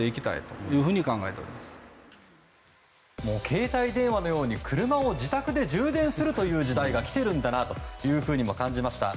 携帯電話のように車を自宅で充電する時代が来ているんだなと感じました。